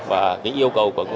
và cái yêu cầu của công dân